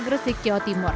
gresik jawa timur